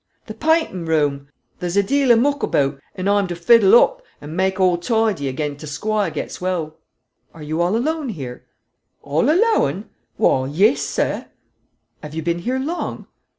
"The paa intin' room. There's a de al o' moock aboot, and aw'm to fettle oop, and make all toidy agen t' squire gets well." "Are you all alone here?" "All alo an? Oh, yes, sir." "Have you been here long?"